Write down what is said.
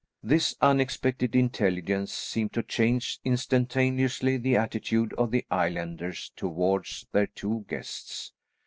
This unexpected intelligence seemed to change instantaneously the attitude of the islanders towards their two guests.